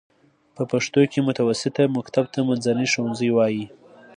په پښتو کې متوسطه مکتب ته منځنی ښوونځی وايي.